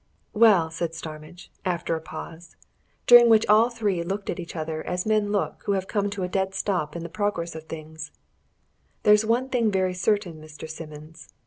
"Well," said Starmidge, after a pause, during which all three looked at each other as men look who have come to a dead stop in the progress of things, "there's one thing very certain, Mr. Simmons.